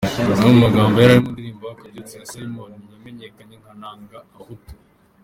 Amwe mu magambo yari ari mu ndirimbo "Akabyutso" ya Simon yamenyekanye nka "Nanga Abahutu".